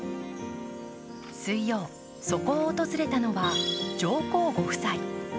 水曜、そこを訪れたのは上皇ご夫妻。